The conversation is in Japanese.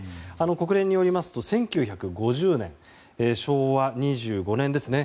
国連によりますと１９５０年、昭和２５年ですね。